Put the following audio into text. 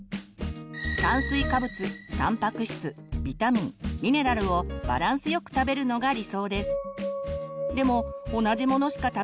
炭水化物たんぱく質ビタミン・ミネラルをバランスよく食べるのが理想です。